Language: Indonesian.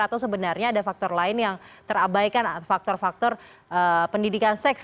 atau sebenarnya ada faktor lain yang terabaikan faktor faktor pendidikan seks